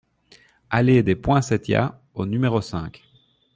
Allée des Poinsettias au numéro cinq